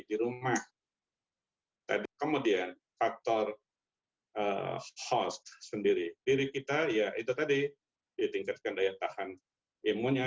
di rumah kemudian faktor host sendiri diri kita ya itu tadi ditingkatkan daya tahan imunnya